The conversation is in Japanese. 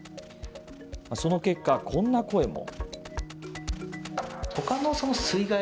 その結果、こんな声も。